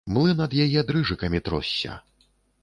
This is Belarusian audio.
Млын ад яе дрыжыкамі тросся.